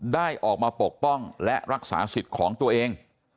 ได้ออกมาปกป้องและรักษาสิทธิ์ของตัวเอง